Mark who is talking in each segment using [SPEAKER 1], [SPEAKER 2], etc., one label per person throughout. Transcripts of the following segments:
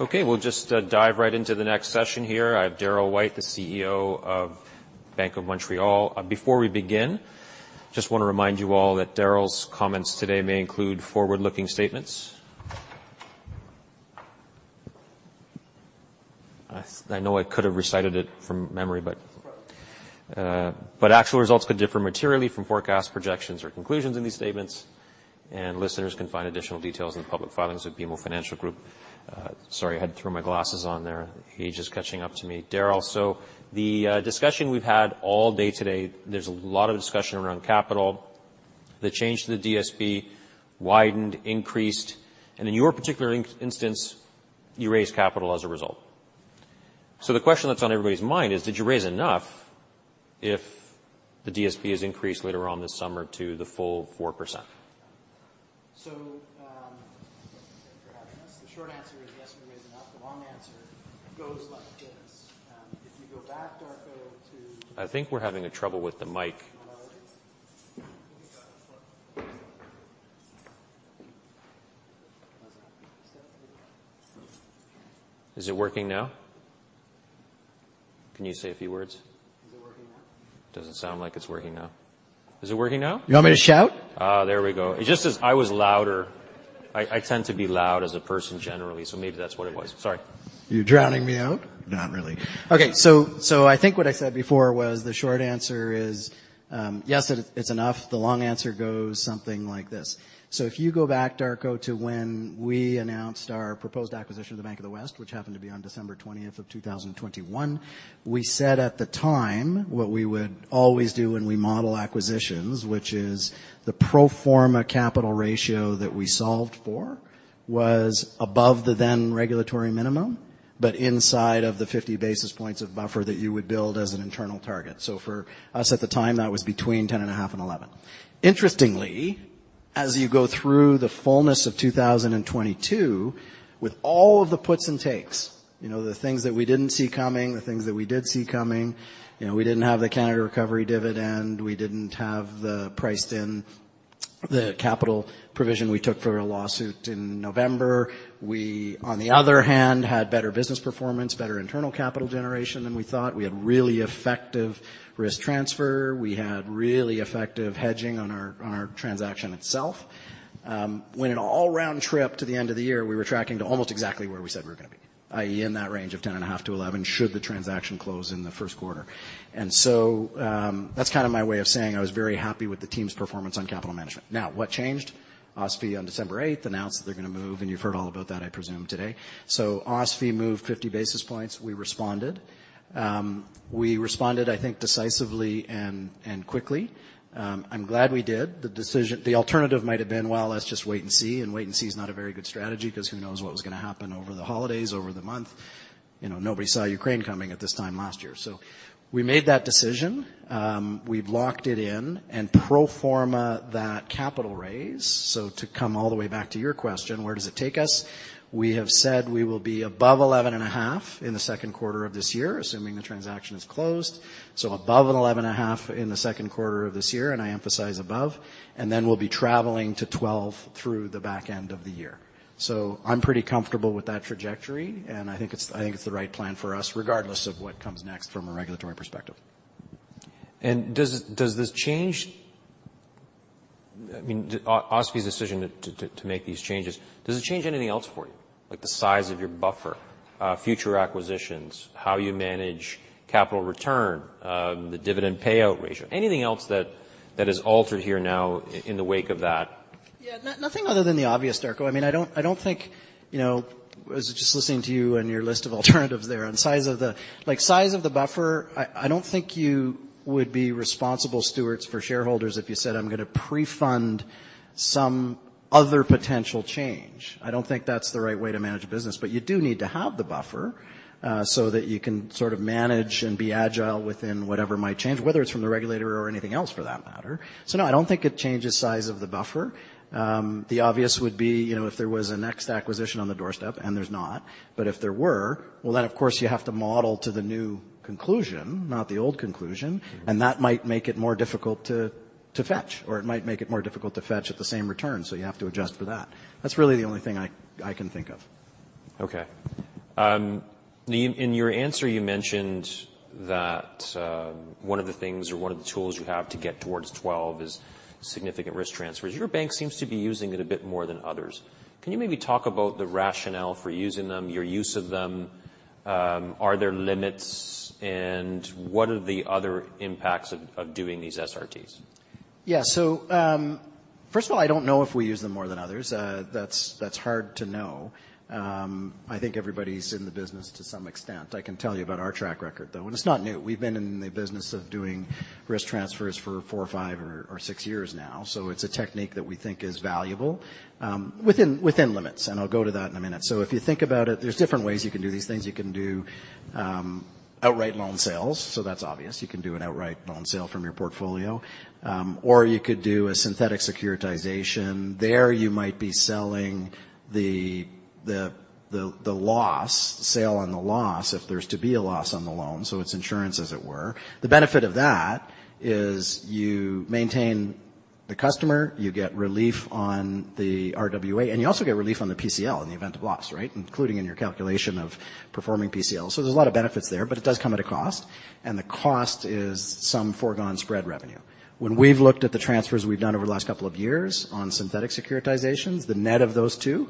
[SPEAKER 1] Okay. We'll just dive right into the next session here. I have Darryl White, the CEO of Bank of Montreal. Before we begin, just wanna remind you all that Darryl's comments today may include forward-looking statements. I know I could have recited it from memory, but...
[SPEAKER 2] It's all right.
[SPEAKER 1] Actual results could differ materially from forecasts, projections, or conclusions in these statements, and listeners can find additional details in the public filings with BMO Financial Group. Sorry, I had to throw my glasses on there. Age is catching up to me. Darryl, the discussion we've had all day today, there's a lot of discussion around capital. The change to the DSB widened, increased, and in your particular instance, you raised capital as a result. The question that's on everybody's mind is, did you raise enough if the DSB is increased later on this summer to the full 4%?
[SPEAKER 2] Thanks for having us. The short answer is, yes, we raised enough. The long answer goes like this. If you go back, Darko.
[SPEAKER 1] I think we're having a trouble with the mic.
[SPEAKER 2] Am I loud enough?
[SPEAKER 1] Is it working now? Can you say a few words?
[SPEAKER 2] Is it working now?
[SPEAKER 1] Doesn't sound like it's working now. Is it working now?
[SPEAKER 2] You want me to shout?
[SPEAKER 1] Oh, there we go. It's just as I was louder. I tend to be loud as a person generally, so maybe that's what it was. Sorry.
[SPEAKER 2] You drowning me out? Not really. Okay. I think what I said before was the short answer is, yes, it's enough. The long answer goes something like this. If you go back, Darko, to when we announced our proposed acquisition of the Bank of the West, which happened to be on December 20th of 2021, we said at the time what we would always do when we model acquisitions, which is the pro forma capital ratio that we solved for was above the then regulatory minimum. Inside of the 50 basis points of buffer that you would build as an internal target. For us at the time, that was between 10.5% and 11%. Interestingly, as you go through the fullness of 2022, with all of the puts and takes, you know, the things that we didn't see coming, the things that we did see coming. We didn't have the Canada Recovery Dividend. We didn't have the priced in, the capital provision we took for a lawsuit in November. We, on the other hand, had better business performance, better internal capital generation than we thought. We had really effective risk transfer. We had really effective hedging on our transaction itself. When an all-round trip to the end of the year, we were tracking to almost exactly where we said we were gonna be, i.e., in that range of 10.5%-11%, should the transaction close in the first quarter. That's kinda my way of saying I was very happy with the team's performance on capital management. Now, what changed? OSFI on December 8th announced that they're gonna move, and you've heard all about that, I presume, today. OSFI moved 50 basis points. We responded. We responded, I think, decisively and quickly. I'm glad we did. The alternative might have been, "Well, let's just wait and see," and wait and see is not a very good strategy 'cause who knows what was gonna happen over the holidays, over the month. You know, nobody saw Ukraine coming at this time last year. We made that decision. We've locked it in and pro forma that capital raise. To come all the way back to your question, where does it take us? We have said we will be above 11.5% in the second quarter of this year, assuming the transaction is closed. Above an 11.5% in the second quarter of this year, and I emphasize above. Then we'll be traveling to 12% through the back end of the year. I'm pretty comfortable with that trajectory, and I think it's the right plan for us, regardless of what comes next from a regulatory perspective.
[SPEAKER 1] Does this change? I mean, OSFI's decision to make these changes, does it change anything else for you, like the size of your buffer, future acquisitions, how you manage capital return, the dividend payout ratio? Anything else that is altered here now in the wake of that?
[SPEAKER 2] Nothing other than the obvious, Darko. I mean, I don't think, you know. I was just listening to you and your list of alternatives there on size of the buffer, I don't think you would be responsible stewards for shareholders if you said, "I'm gonna pre-fund some other potential change." I don't think that's the right way to manage a business. You do need to have the buffer, so that you can sort of manage and be agile within whatever might change, whether it's from the regulator or anything else for that matter. No, I don't think it changes size of the buffer. The obvious would be, you know, if there was a next acquisition on the doorstep, and there's not. If there were, well, then, of course, you have to model to the new conclusion, not the old conclusion.
[SPEAKER 1] Mm-hmm.
[SPEAKER 2] That might make it more difficult to fetch or it might make it more difficult to fetch at the same return, so you have to adjust for that. That's really the only thing I can think of.
[SPEAKER 1] Okay. In your answer, you mentioned that one of the things or one of the tools you have to get towards 12% is significant risk transfers. Your bank seems to be using it a bit more than others. Can you maybe talk about the rationale for using them, your use of them? Are there limits, and what are the other impacts of doing these SRTs?
[SPEAKER 2] Yeah. First of all, I don't know if we use them more than others. That's, that's hard to know. I think everybody's in the business to some extent. I can tell you about our track record, though. It's not new. We've been in the business of doing risk transfers for four or five or six years now. It's a technique that we think is valuable, within limits, and I'll go to that in a minute. If you think about it, there's different ways you can do these things. You can do outright loan sales. That's obvious. You can do an outright loan sale from your portfolio. Or you could do a synthetic securitization. There you might be selling the loss, sale on the loss if there's to be a loss on the loan, so it's insurance as it were. The benefit of that is you maintain the customer, you get relief on the RWA, and you also get relief on the PCL in the event of loss, right? Including in your calculation of performing PCL. There's a lot of benefits there, but it does come at a cost, and the cost is some foregone spread revenue. When we've looked at the transfers we've done over the last couple of years on synthetic securitizations, the net of those two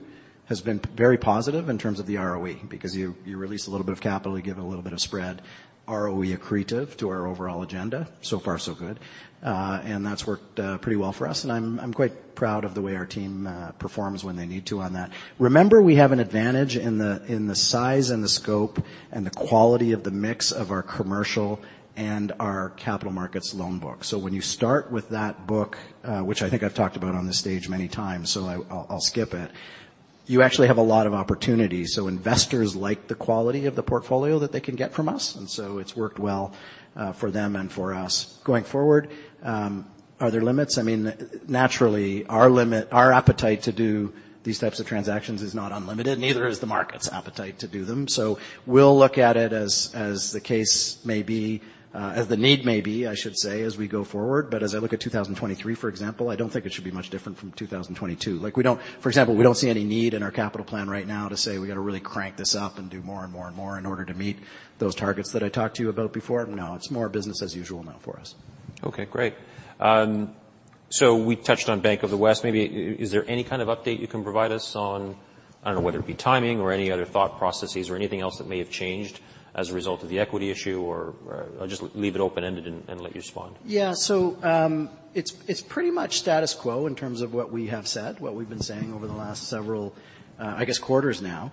[SPEAKER 2] has been very positive in terms of the ROE because you release a little bit of capital, you give it a little bit of spread, ROE accretive to our overall agenda. Far so good. That's worked pretty well for us, and I'm quite proud of the way our team performs when they need to on that. Remember, we have an advantage in the, in the size and the scope and the quality of the mix of our commercial and our capital markets loan book. When you start with that book, which I think I've talked about on this stage many times, so I'll skip it. You actually have a lot of opportunities. Investors like the quality of the portfolio that they can get from us. It's worked well for them and for us. Going forward, are there limits? I mean, naturally, our appetite to do these types of transactions is not unlimited, neither is the market's appetite to do them. We'll look at it as the case may be, as the need may be, I should say, as we go forward. As I look at 2023, for example, I don't think it should be much different from 2022. Like, we don't, for example, we don't see any need in our capital plan right now to say we gotta really crank this up and do more and more and more in order to meet those targets that I talked to you about before. No, it's more business as usual now for us.
[SPEAKER 1] Okay, great. We touched on Bank of the West. Maybe, is there any kind of update you can provide us on, I don't know, whether it be timing or any other thought processes or anything else that may have changed as a result of the equity issue? I'll just leave it open-ended and let you respond.
[SPEAKER 2] Yeah. it's pretty much status quo in terms of what we have said, what we've been saying over the last several, I guess, quarters now.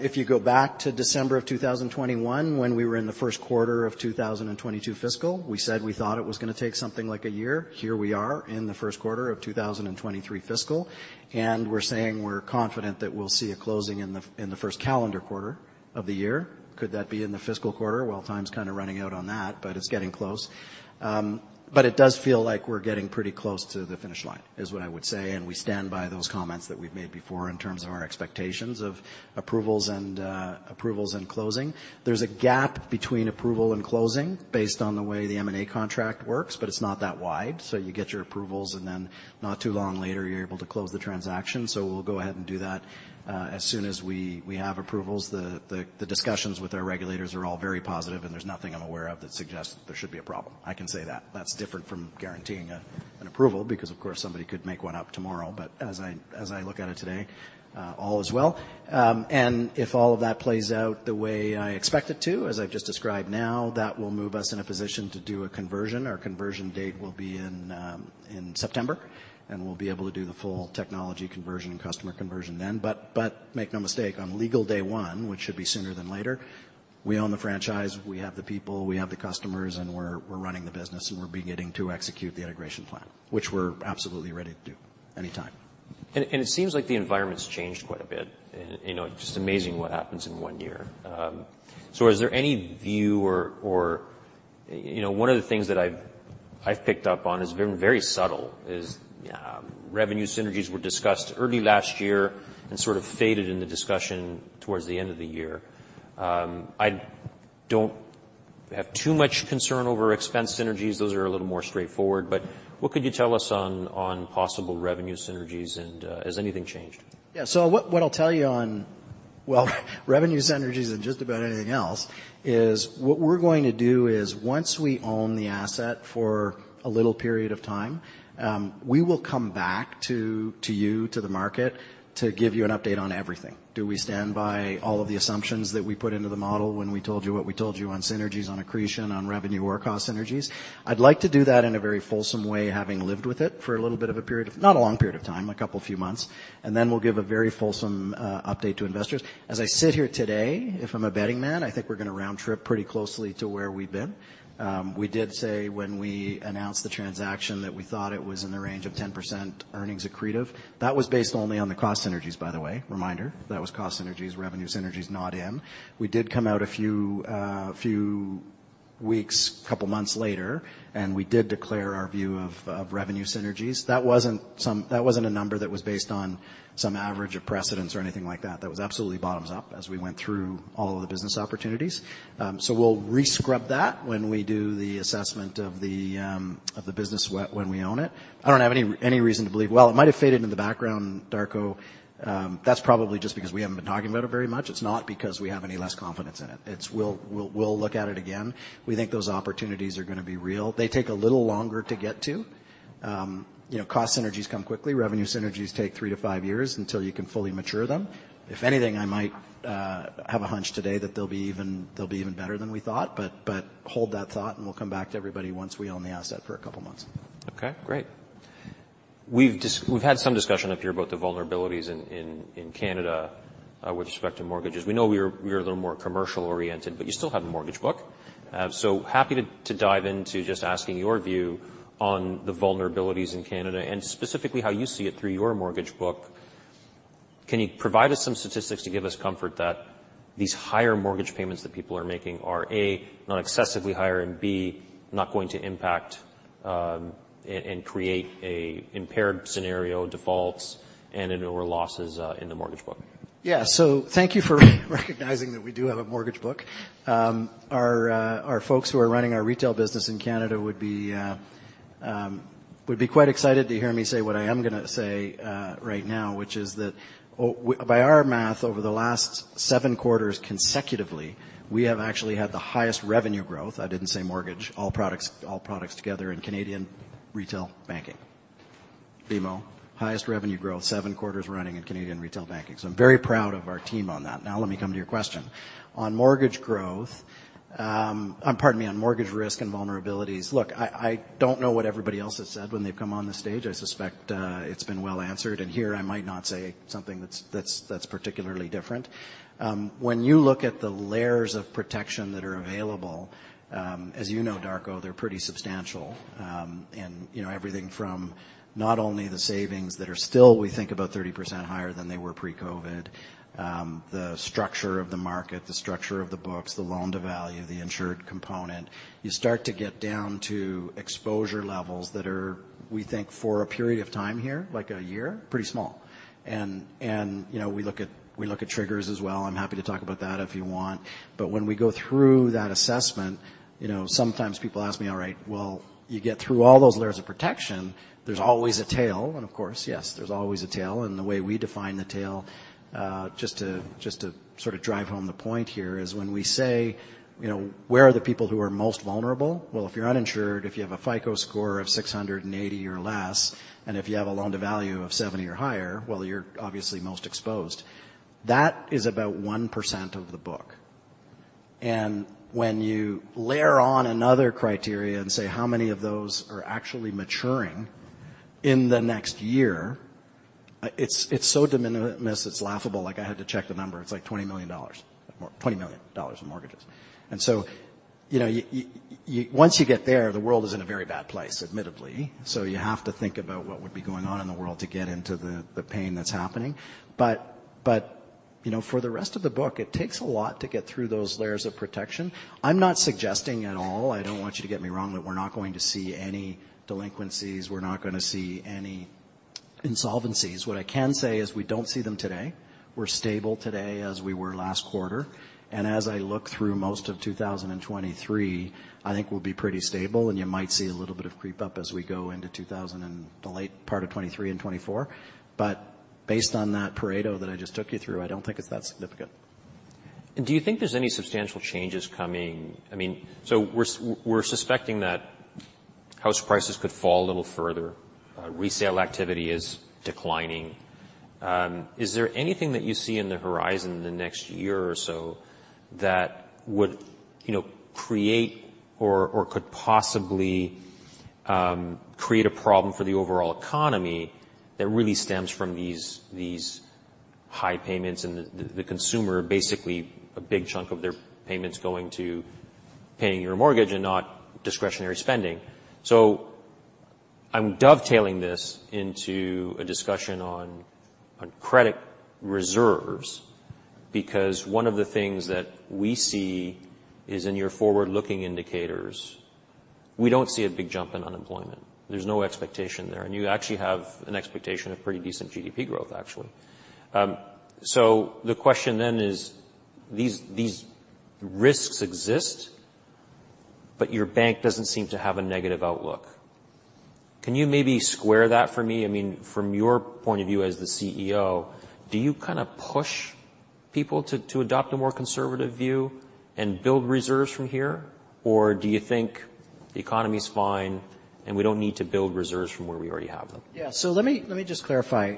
[SPEAKER 2] If you go back to December of 2021, when we were in the first quarter of 2022 fiscal, we said we thought it was gonna take something like a year. Here we are in the first quarter of 2023 fiscal, and we're saying we're confident that we'll see a closing in the first calendar quarter of the year. Could that be in the fiscal quarter? Time's kinda running out on that, but it's getting close. It does feel like we're getting pretty close to the finish line, is what I would say. We stand by those comments that we've made before in terms of our expectations of approvals and approvals and closing. There's a gap between approval and closing based on the way the M&A contract works, but it's not that wide. You get your approvals, and then not too long later, you're able to close the transaction. We'll go ahead and do that as soon as we have approvals. The discussions with our regulators are all very positive, and there's nothing I'm aware of that suggests that there should be a problem. I can say that. That's different from guaranteeing an approval because, of course, somebody could make one up tomorrow. As I look at it today, all is well. If all of that plays out the way I expect it to, as I've just described now, that will move us in a position to do a conversion. Our conversion date will be in September, and we'll be able to do the full technology conversion and customer conversion then. Make no mistake, on legal day one, which should be sooner than later, we own the franchise, we have the people, we have the customers, and we're running the business, and we're beginning to execute the integration plan, which we're absolutely ready to do anytime.
[SPEAKER 1] It seems like the environment's changed quite a bit. You know, just amazing what happens in one year. Is there any view or? You know, one of the things that I've picked up on has been very subtle, is revenue synergies were discussed early last year and sort of faded in the discussion towards the end of the year. I don't have too much concern over expense synergies. Those are a little more straightforward. What could you tell us on possible revenue synergies and has anything changed?
[SPEAKER 2] Yeah. What I'll tell you on, well, revenue synergies and just about anything else is what we're going to do is once we own the asset for a little period of time, we will come back to you, to the market, to give you an update on everything. Do we stand by all of the assumptions that we put into the model when we told you what we told you on synergies, on accretion, on revenue or cost synergies? I'd like to do that in a very fulsome way, having lived with it for not a long period of time, a couple, few months, and then we'll give a very fulsome update to investors. As I sit here today, if I'm a betting man, I think we're gonna round trip pretty closely to where we've been. We did say when we announced the transaction that we thought it was in the range of 10% earnings accretive. That was based only on the cost synergies, by the way. Reminder, that was cost synergies, revenue synergies not in. We did come out a few weeks, couple months later, and we did declare our view of revenue synergies. That wasn't a number that was based on some average of precedents or anything like that. That was absolutely bottoms up as we went through all of the business opportunities. We'll rescrub that when we do the assessment of the business when we own it. I don't have any reason to believe. Well, it might have faded in the background, Darko. That's probably just because we haven't been talking about it very much. It's not because we have any less confidence in it. It's we'll look at it again. We think those opportunities are gonna be real. They take a little longer to get to. You know, cost synergies come quickly. Revenue synergies take three to five years until you can fully mature them. If anything, I might have a hunch today that they'll be even better than we thought. Hold that thought, and we'll come back to everybody once we own the asset for a couple months.
[SPEAKER 1] Okay, great. We've had some discussion up here about the vulnerabilities in Canada with respect to mortgages. We know we're a little more commercial-oriented, but you still have a mortgage book. Happy to dive into just asking your view on the vulnerabilities in Canada and specifically how you see it through your mortgage book. Can you provide us some statistics to give us comfort that these higher mortgage payments that people are making are, A, not excessively higher, and B, not going to impact and create a impaired scenario defaults or losses in the mortgage book?
[SPEAKER 2] Thank you for recognizing that we do have a mortgage book. Our folks who are running our retail business in Canada would be quite excited to hear me say what I am gonna say right now, which is that by our math over the last seven quarters consecutively, we have actually had the highest revenue growth. I didn't say mortgage, all products, all products together in Canadian retail banking. BMO, highest revenue growth seven quarters running in Canadian retail banking. I'm very proud of our team on that. Let me come to your question. On mortgage growth. Pardon me, on mortgage risk and vulnerabilities. I don't know what everybody else has said when they've come on the stage. I suspect, it's been well answered, and here I might not say something that's particularly different. When you look at the layers of protection that are available, as you know, Darko, they're pretty substantial. You know, everything from not only the savings that are still, we think, about 30% higher than they were pre-COVID, the structure of the market, the structure of the books, the loan-to-value, the insured component. You start to get down to exposure levels that are, we think, for a period of time here, like a year, pretty small. You know, we look at triggers as well. I'm happy to talk about that if you want. When we go through that assessment, you know, sometimes people ask me, "All right. Well, you get through all those layers of protection, there's always a tail." Of course, yes, there's always a tail, and the way we define the tail, just to sort of drive home the point here, is when we say, you know, where are the people who are most vulnerable? Well, if you're uninsured, if you have a FICO score of 680 or less, and if you have a loan-to-value of 70 or higher, well, you're obviously most exposed. That is about 1% of the book. When you layer on another criteria and say how many of those are actually maturing in the next year, it's so de minimis it's laughable. Like, I had to check the number. It's like 20 million dollars or 20 million dollars in mortgages. You know, you... Once you get there, the world is in a very bad place, admittedly. You have to think about what would be going on in the world to get into the pain that's happening. You know, for the rest of the book, it takes a lot to get through those layers of protection. I'm not suggesting at all, I don't want you to get me wrong, that we're not going to see any delinquencies, we're not gonna see any insolvencies. What I can say is we don't see them today. We're stable today as we were last quarter. As I look through most of 2023, I think we'll be pretty stable, and you might see a little bit of creep up as we go into the late part of 2023 and 2024. Based on that Pareto that I just took you through, I don't think it's that significant.
[SPEAKER 1] Do you think there's any substantial changes coming? I mean, we're suspecting that house prices could fall a little further. Resale activity is declining. Is there anything that you see in the horizon in the next year or so that would, you know, create or could possibly create a problem for the overall economy that really stems from these high payments and the consumer, basically, a big chunk of their payments going to paying your mortgage and not discretionary spending. I'm dovetailing this into a discussion on credit reserves, because one of the things that we see is in your forward-looking indicators, we don't see a big jump in unemployment. There's no expectation there, and you actually have an expectation of pretty decent GDP growth, actually. The question then is, these risks exist. Your bank doesn't seem to have a negative outlook. Can you maybe square that for me? I mean, from your point of view as the CEO, do you kind of push people to adopt a more conservative view and build reserves from here? Do you think the economy is fine, and we don't need to build reserves from where we already have them?
[SPEAKER 2] Yeah. Let me just clarify.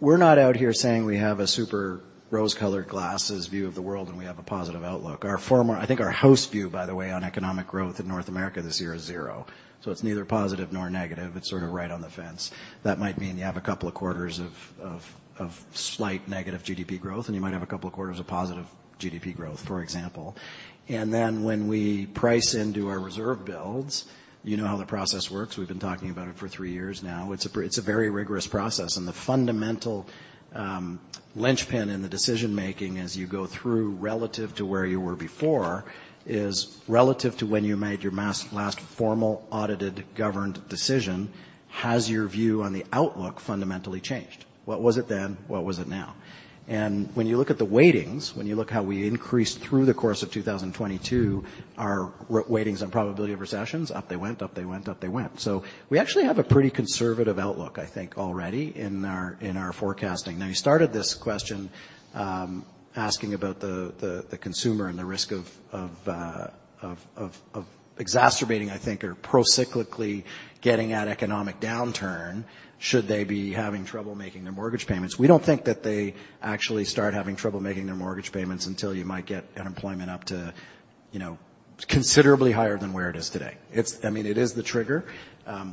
[SPEAKER 2] We're not out here saying we have a super rose-colored glasses view of the world and we have a positive outlook. I think our house view, by the way, on economic growth in North America this year is zero. It's neither positive nor negative. It's sort of right on the fence. That might mean you have a couple of quarters of slight negative GDP growth, and you might have a couple of quarters of positive GDP growth, for example. When we price into our reserve builds, you know how the process works. We've been talking about it for three years now. It's a very rigorous process. The fundamental linchpin in the decision-making as you go through relative to where you were before is relative to when you made your last formal audited governed decision, has your view on the outlook fundamentally changed? What was it then? What was it now? When you look at the weightings, when you look how we increased through the course of 2022, our weightings on probability of recessions, up they went. We actually have a pretty conservative outlook, I think, already in our, in our forecasting. You started this question asking about the consumer and the risk of exacerbating, I think, or procyclically getting at economic downturn, should they be having trouble making their mortgage payments. We don't think that they actually start having trouble making their mortgage payments until you might get unemployment up to, you know, considerably higher than where it is today. I mean, it is the trigger.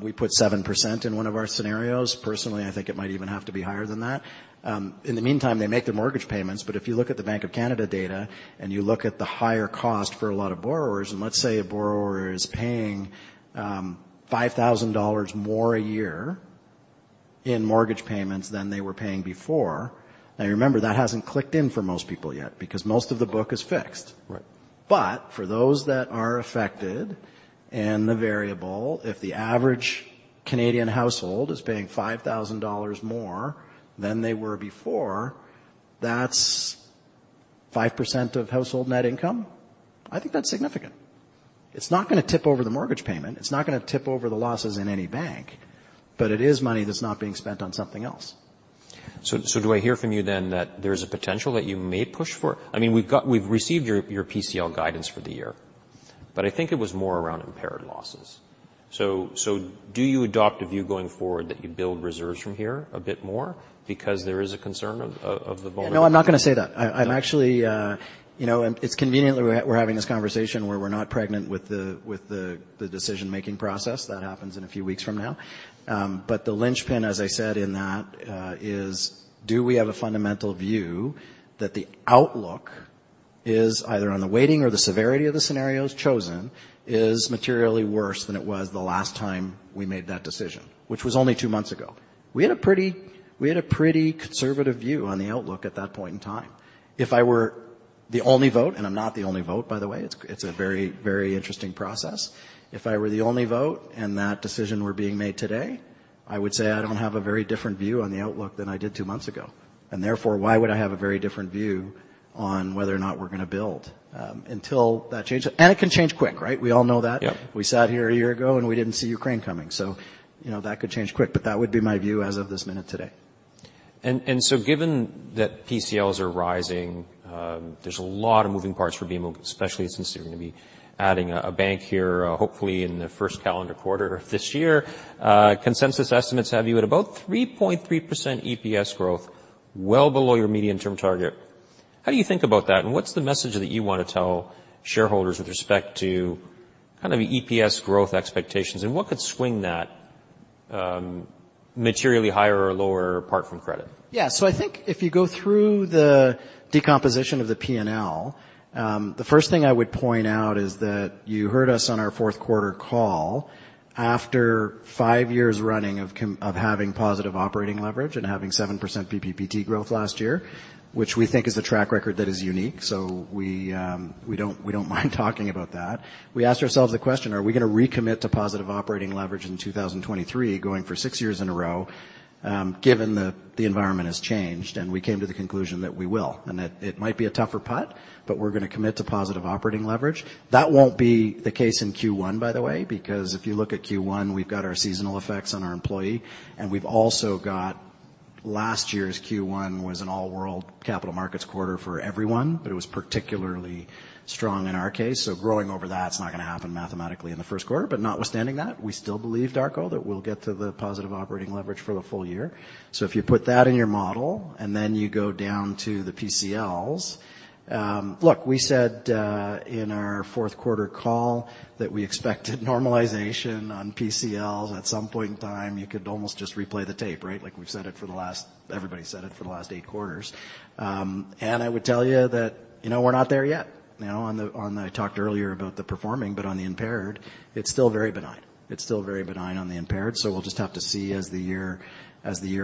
[SPEAKER 2] We put 7% in one of our scenarios. Personally, I think it might even have to be higher than that. In the meantime, they make their mortgage payments, but if you look at the Bank of Canada data and you look at the higher cost for a lot of borrowers, let's say a borrower is paying, 5,000 dollars more a year in mortgage payments than they were paying before. Remember, that hasn't clicked in for most people yet because most of the book is fixed.
[SPEAKER 1] Right.
[SPEAKER 2] For those that are affected and the variable, if the average Canadian household is paying 5,000 dollars more than they were before, that's 5% of household net income, I think that's significant. It's not gonna tip over the mortgage payment. It's not gonna tip over the losses in any bank, but it is money that's not being spent on something else.
[SPEAKER 1] Do I hear from you then that there's a potential that you may push for? I mean, we've received your PCL guidance for the year, but I think it was more around impaired losses. Do you adopt a view going forward that you build reserves from here a bit more because there is a concern of the volume-
[SPEAKER 2] No, I'm not gonna say that. I'm actually, you know, and it's conveniently we're having this conversation where we're not pregnant with the decision-making process that happens in a few weeks from now. The linchpin, as I said in that, is do we have a fundamental view that the outlook is either on the weighting or the severity of the scenarios chosen is materially worse than it was the last time we made that decision, which was only two months ago. We had a pretty conservative view on the outlook at that point in time. If I were the only vote, and I'm not the only vote by the way, it's a very, very interesting process. If I were the only vote and that decision were being made today, I would say I don't have a very different view on the outlook than I did two months ago, and therefore why would I have a very different view on whether or not we're gonna build until that changes. It can change quick, right? We all know that.
[SPEAKER 1] Yep.
[SPEAKER 2] We sat here a year ago and we didn't see Ukraine coming. You know, that could change quick, but that would be my view as of this minute today.
[SPEAKER 1] Given that PCLs are rising, there's a lot of moving parts for BMO, especially since you're gonna be adding a bank here, hopefully in the first calendar quarter of this year. Consensus estimates have you at about 3.3% EPS growth, well below your medium-term target. How do you think about that, and what's the message that you wanna tell shareholders with respect to kind of EPS growth expectations, and what could swing that materially higher or lower apart from credit?
[SPEAKER 2] Yeah. I think if you go through the decomposition of the P&L, the first thing I would point out is that you heard us on our fourth quarter call after five years running of having positive operating leverage and having 7% PPPT growth last year, which we think is a track record that is unique. We don't mind talking about that. We asked ourselves the question, are we gonna recommit to positive operating leverage in 2023 going for six years in a row, given the environment has changed? We came to the conclusion that we will, and that it might be a tougher putt, but we're gonna commit to positive operating leverage. That won't be the case in Q1, by the way, because if you look at Q1, we've got our seasonal effects on our employee, and we've also got last year's Q1 was an all world capital markets quarter for everyone, but it was particularly strong in our case. Growing over that, it's not gonna happen mathematically in the first quarter. Notwithstanding that, we still believe, Darko, that we'll get to the positive operating leverage for the full year. If you put that in your model and then you go down to the PCLs, look, we said in our fourth quarter call that we expected normalization on PCLs at some point in time. You could almost just replay the tape, right? Like everybody said it for the last eight quarters. I would tell you that, you know, we're not there yet. You know, on the I talked earlier about the performing, but on the impaired it's still very benign. It's still very benign on the impaired, we'll just have to see as the year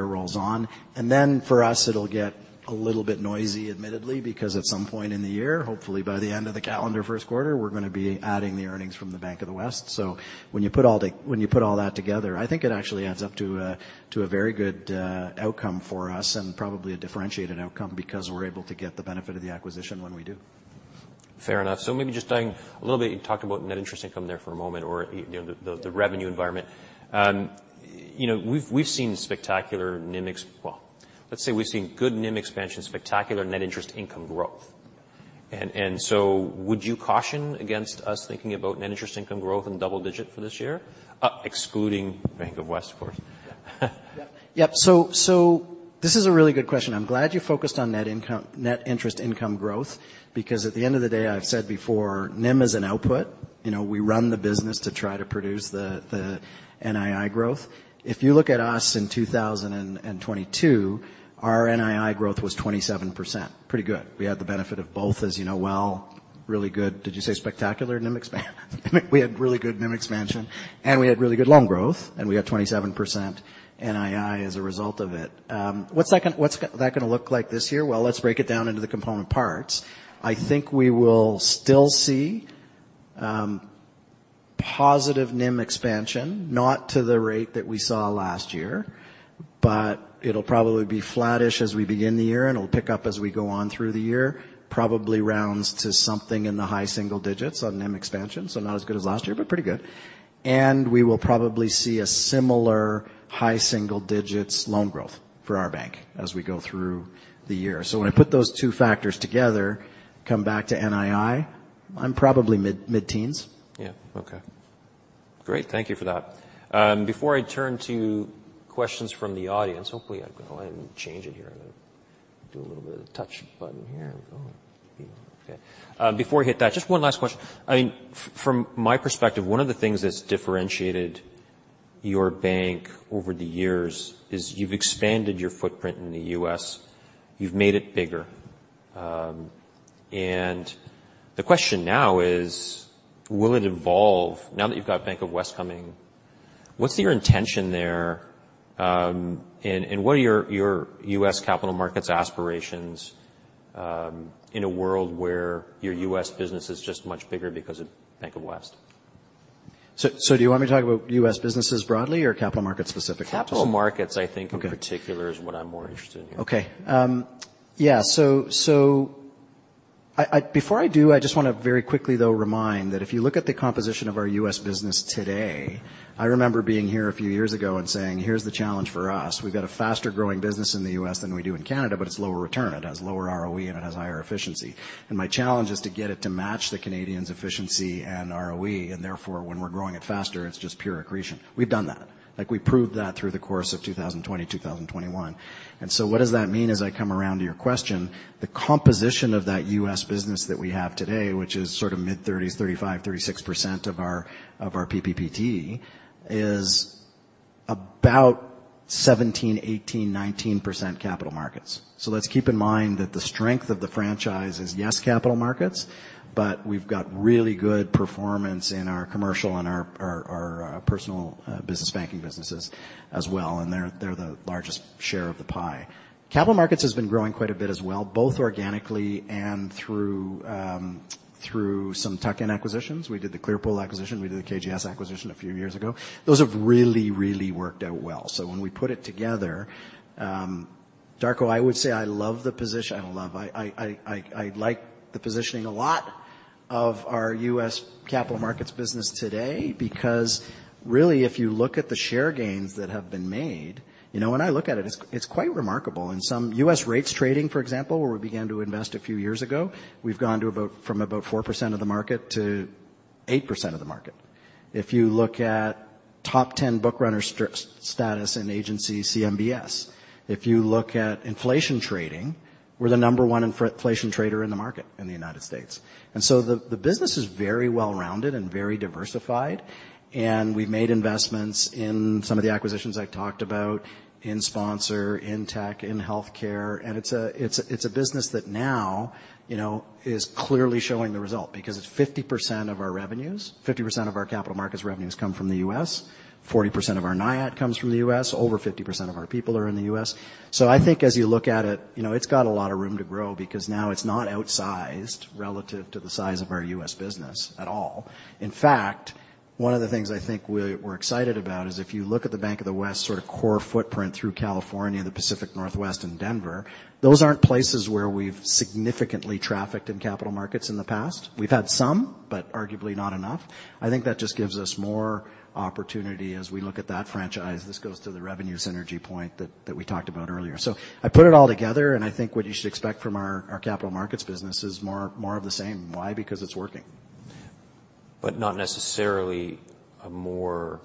[SPEAKER 2] rolls on. Then for us it'll get a little bit noisy admittedly, because at some point in the year, hopefully by the end of the calendar first quarter, we're gonna be adding the earnings from the Bank of the West. When you put all that together, I think it actually adds up to a, to a very good outcome for us and probably a differentiated outcome because we're able to get the benefit of the acquisition when we do.
[SPEAKER 1] Fair enough. Maybe just diving a little bit, you talked about net interest income there for a moment, or you know, the revenue environment. You know, we've seen spectacular NIM [expansion] let's say we've seen good NIM expansion, spectacular net interest income growth. Would you caution against us thinking about net interest income growth in double-digit for this year? Excluding Bank of the West.
[SPEAKER 2] Yep. Yep. This is a really good question. I'm glad you focused on net interest income growth because at the end of the day, I've said before, NIM is an output. You know, we run the business to try to produce the NII growth. If you look at us in 2022, our NII growth was 27%. Pretty good. We had the benefit of both, as you know well, really good... Did you say spectacular NIM expansion? We had really good NIM expansion, and we had really good loan growth, and we got 27% NII as a result of it. What's that gonna look like this year? Well, let's break it down into the component parts. I think we will still see positive NIM expansion, not to the rate that we saw last year, but it'll probably be flattish as we begin the year and it'll pick up as we go on through the year. Probably rounds to something in the high single digits on NIM expansion, so not as good as last year, but pretty good. We will probably see a similar high single digits loan growth for our bank as we go through the year. When I put those two factors together, come back to NII, I'm probably mid-teens.
[SPEAKER 1] Yeah. Okay. Great. Thank you for that. Before I turn to questions from the audience, hopefully I can go ahead and change it here. Do a little bit of touch button here. Go. Okay. Before we hit that, just one last question. I mean, from my perspective, one of the things that's differentiated your bank over the years is you've expanded your footprint in the U.S., you've made it bigger. The question now is, will it evolve now that you've got Bank of the West coming? What's your intention there, and what are your U.S. capital markets aspirations, in a world where your U.S. business is just much bigger because of Bank of the West?
[SPEAKER 2] Do you want me to talk about U.S. businesses broadly or capital markets specifically?
[SPEAKER 1] Capital markets, I think...
[SPEAKER 2] Okay.
[SPEAKER 1] In particular is what I'm more interested in.
[SPEAKER 2] Okay. Yeah, so I Before I do, I just wanna very quickly though remind that if you look at the composition of our U.S. Business today, I remember being here a few years ago and saying, "Here's the challenge for us. We've got a faster growing business in the U.S. than we do in Canada, but it's lower return. It has lower ROE, and it has higher efficiency. My challenge is to get it to match the Canadian's efficiency and ROE, and therefore, when we're growing it faster, it's just pure accretion." We've done that. Like, we proved that through the course of 2020, 2021. What does that mean as I come around to your question? The composition of that U.S. business that we have today, which is sort of mid-30s, 35%, 36% of our PPPT, is about 17%, 18%, 19% capital markets. Let's keep in mind that the strength of the franchise is, yes, capital markets, but we've got really good performance in our commercial and our personal business banking businesses as well, and they're the largest share of the pie. Capital markets has been growing quite a bit as well, both organically and through some tuck-in acquisitions. We did the Clearpool acquisition. We did the KGS acquisition a few years ago. Those have really worked out well. When we put it together, Darko, I would say I love the position. I like the positioning a lot of our U.S. capital markets business today because really if you look at the share gains that have been made, you know, when I look at it's quite remarkable. In some U.S. rates trading, for example, where we began to invest a few years ago, we've gone from about 4%-8% of the market. If you look at top 10 bookrunners status in agency CMBS, if you look at inflation trading, we're the number one in-inflation trader in the market in the United States. The business is very well-rounded and very diversified, and we've made investments in some of the acquisitions I've talked about in sponsor, in tech, in healthcare, and it's a business that now, you know, is clearly showing the result because it's 50% of our revenues. 50% of our capital markets revenues come from the U.S. 40% of our NIAT comes from the U.S. Over 50% of our people are in the U.S. I think as you look at it, you know, it's got a lot of room to grow because now it's not outsized relative to the size of our U.S. business at all. In fact, one of the things I think we're excited about is if you look at the Bank of the West sort of core footprint through California, the Pacific Northwest and Denver, those aren't places where we've significantly trafficked in capital markets in the past. We've had some, but arguably not enough. I think that just gives us more opportunity as we look at that franchise. This goes to the revenue synergy point that we talked about earlier. I put it all together, and I think what you should expect from our capital markets business is more of the same. Why? Because it's working.
[SPEAKER 1] Not necessarily a more...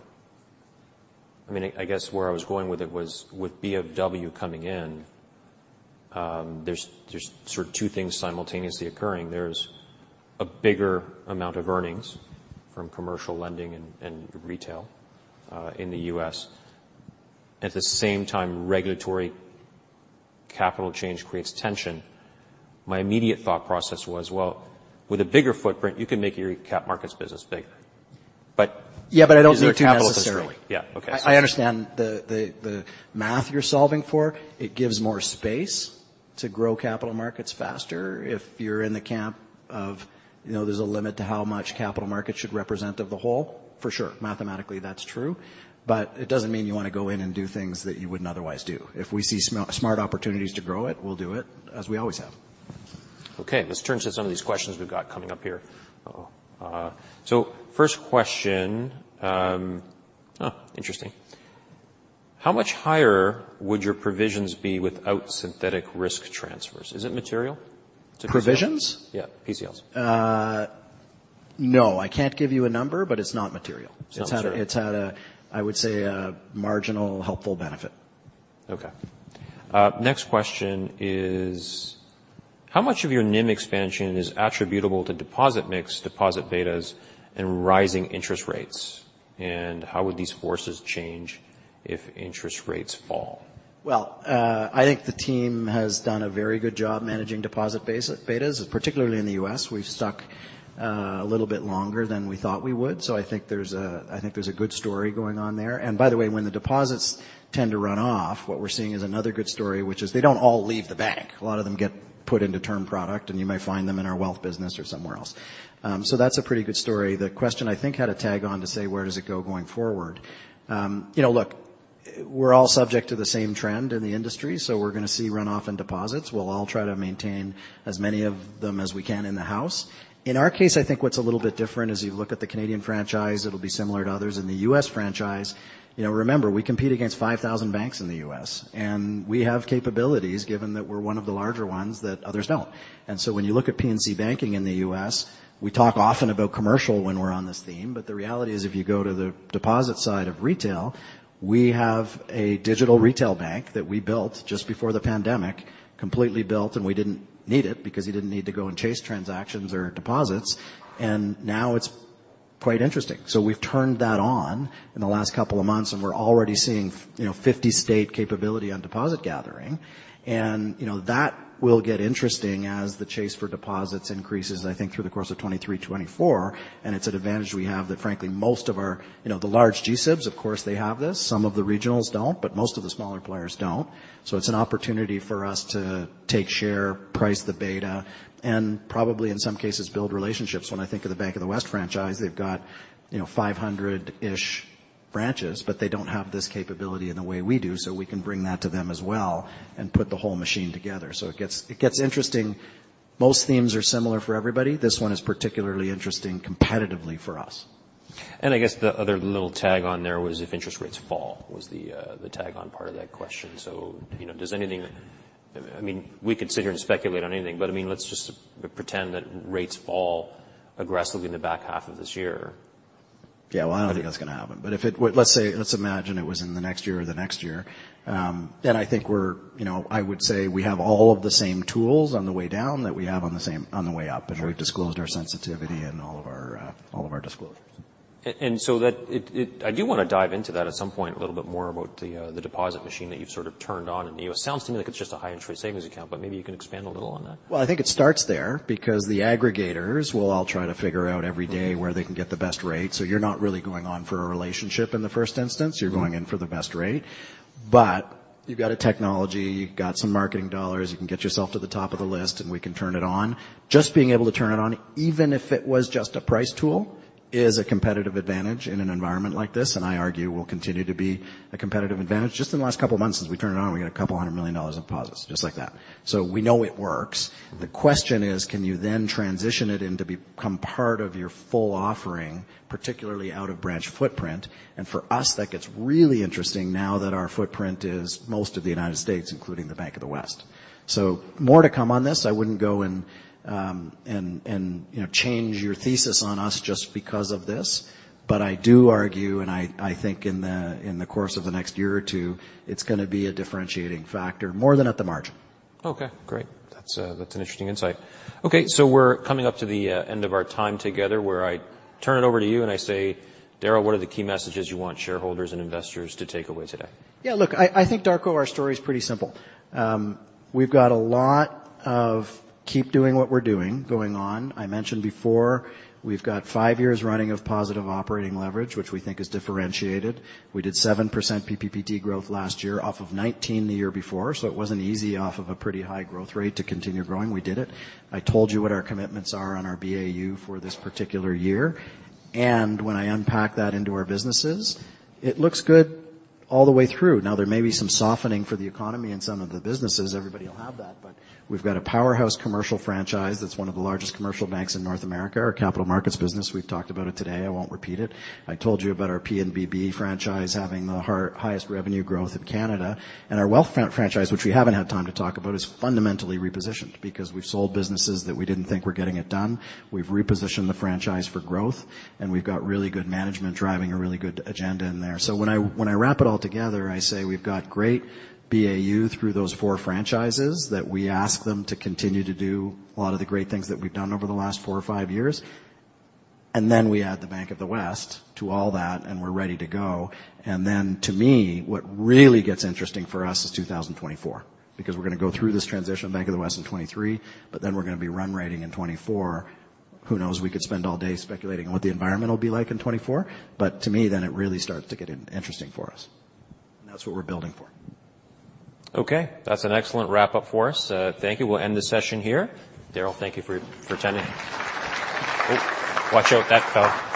[SPEAKER 1] I mean, I guess where I was going with it was with B of W coming in, there's sort of two things simultaneously occurring. There's a bigger amount of earnings from commercial lending and retail in the U.S. At the same time, regulatory capital change creates tension. My immediate thought process was, well, with a bigger footprint, you can make your cap markets business bigger.
[SPEAKER 2] Yeah, I don't need to necessarily.
[SPEAKER 1] Is there a capital constraint? Yeah. Okay.
[SPEAKER 2] I understand the math you're solving for. It gives more space to grow capital markets faster if you're in the camp of, you know, there's a limit to how much capital markets should represent of the whole. For sure, mathematically that's true. It doesn't mean you wanna go in and do things that you wouldn't otherwise do. If we see smart opportunities to grow it, we'll do it as we always have.
[SPEAKER 1] Okay. Let's turn to some of these questions we've got coming up here. First question, oh, interesting. How much higher would your provisions be without synthetic risk transfers? Is it material?
[SPEAKER 2] Provisions?
[SPEAKER 1] Yeah. PCLs.
[SPEAKER 2] No, I can't give you a number, but it's not material.
[SPEAKER 1] Sounds fair.
[SPEAKER 2] It's had a, I would say, a marginal helpful benefit.
[SPEAKER 1] Okay. Next question is how much of your NIM expansion is attributable to deposit mix, deposit betas and rising interest rates, and how would these forces change if interest rates fall?
[SPEAKER 2] Well, I think the team has done a very good job managing deposit base betas, particularly in the U.S. We've stuck a little bit longer than we thought we would. I think there's a good story going on there. By the way, when the deposits tend to run off, what we're seeing is another good story, which is they don't all leave the bank. A lot of them get put into term product, and you may find them in our wealth business or somewhere else. That's a pretty good story. The question, I think, had a tag on to say where does it go going forward. You know, look, we're all subject to the same trend in the industry, we're gonna see run-off in deposits. We'll all try to maintain as many of them as we can in the house. In our case, I think what's a little bit different as you look at the Canadian franchise, it'll be similar to others. In the U.S. franchise, you know, remember, we compete against 5,000 banks in the U.S., and we have capabilities given that we're one of the larger ones that others don't. When you look at PNC Bank in the U.S., we talk often about commercial when we're on this theme, but the reality is if you go to the deposit side of retail, we have a digital retail bank that we built just before the pandemic, completely built, and we didn't need it because you didn't need to go and chase transactions or deposits. Now it's quite interesting. We've turned that on in the last couple of months, and we're already seeing fifties state capability on deposit gathering. You know, that will get interesting as the chase for deposits increases, I think, through the course of 2023, 2024, and it's an advantage we have that frankly You know, the large G-SIBs, of course, they have this. Some of the regionals don't, but most of the smaller players don't. It's an opportunity for us to take share, price the beta, and probably in some cases, build relationships. When I think of the Bank of the West franchise, they've got, you know, 500-ish branches, but they don't have this capability in the way we do, so we can bring that to them as well and put the whole machine together. It gets interesting. Most themes are similar for everybody. This one is particularly interesting competitively for us.
[SPEAKER 1] I guess the other little tag on there was if interest rates fall, was the tag on part of that question. You know, does anything... I mean, we could sit here and speculate on anything, but, I mean, let's just pretend that rates fall aggressively in the back half of this year.
[SPEAKER 2] Yeah. Well, I don't think that's gonna happen. Let's say, let's imagine it was in the next year, I think we're, you know, I would say we have all of the same tools on the way down that we have on the way up.
[SPEAKER 1] Sure.
[SPEAKER 2] -as we've disclosed our sensitivity in all of our, all of our disclosures.
[SPEAKER 1] I do wanna dive into that at some point a little bit more about the deposit machine that you've sort of turned on in the U.S. Sounds to me like it's just a high interest savings account, but maybe you can expand a little on that.
[SPEAKER 2] Well, I think it starts there because the aggregators will all try to figure out every day where they can get the best rate. You're not really going on for a relationship in the first instance. You're going in for the best rate. You've got a technology, you've got some marketing dollars, you can get yourself to the top of the list, and we can turn it on. Just being able to turn it on, even if it was just a price tool, is a competitive advantage in an environment like this, and I argue will continue to be a competitive advantage. Just in the last couple of months since we turned it on, we got couple hundred million in deposits, just like that. We know it works. The question is, can you then transition it in to become part of your full offering, particularly out of branch footprint? For us, that gets really interesting now that our footprint is most of the United States, including the Bank of the West. More to come on this. I wouldn't go and, you know, change your thesis on us just because of this. I do argue, and I think in the course of the next year or two, it's gonna be a differentiating factor more than at the margin.
[SPEAKER 1] Okay, great. That's an interesting insight. Okay, we're coming up to the end of our time together where I turn it over to you and I say, Darryl, what are the key messages you want shareholders and investors to take away today?
[SPEAKER 2] Yeah, look, I think, Darko, our story is pretty simple. We've got a lot of keep doing what we're doing going on. I mentioned before, we've got five years running of positive operating leverage, which we think is differentiated. We did 7% PPPT growth last year off of 2019 the year before. It wasn't easy off of a pretty high growth rate to continue growing. We did it. I told you what our commitments are on our BAU for this particular year. When I unpack that into our businesses, it looks good all the way through. Now, there may be some softening for the economy in some of the businesses. Everybody will have that. We've got a powerhouse commercial franchise that's one of the largest commercial banks in North America. Our capital markets business, we've talked about it today, I won't repeat it. I told you about our P&BB franchise having the highest revenue growth in Canada. Our wealth franchise, which we haven't had time to talk about, is fundamentally repositioned because we've sold businesses that we didn't think were getting it done. We've repositioned the franchise for growth, and we've got really good management driving a really good agenda in there. When I wrap it all together, I say we've got great BAU through those four franchises that we ask them to continue to do a lot of the great things that we've done over the last four or five years. Then we add the Bank of the West to all that, and we're ready to go. To me, what really gets interesting for us is 2024, because we're gonna go through this transition of Bank of the West in 2023, then we're gonna be run rating in 2024. Who knows? We could spend all day speculating on what the environment will be like in 2024. To me, then it really starts to get interesting for us, and that's what we're building for.
[SPEAKER 1] Okay, that's an excellent wrap-up for us. Thank you. We'll end the session here. Darryl, thank you for attending. Oh, watch out. That fell.